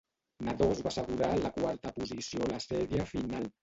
Nadeau es va assegurar la quarta posició a la sèrie final.